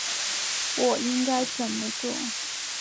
我应该怎样做？